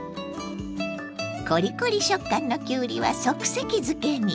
コリコリ食感のきゅうりは即席漬けに。